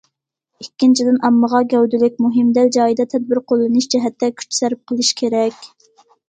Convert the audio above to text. ئىككىنچىدىن، ئاممىغا گەۋدىلىك، مۇھىم، دەل جايىدا تەدبىر قوللىنىش جەھەتتە كۈچ سەرپ قىلىش كېرەك.